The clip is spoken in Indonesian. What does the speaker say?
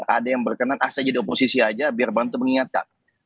ada yang berkenan ah saya jadi oposisi aja biar bantu mengingatkan